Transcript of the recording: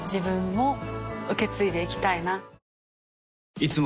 いつも